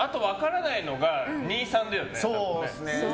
あと分からないのが２、３だよね。